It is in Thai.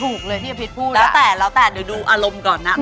ถูกเลยนี่พีชพูดอะแล้วแต่เดี๋ยวดูอารมณ์ก่อนนะนอน